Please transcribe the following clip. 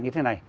như thế này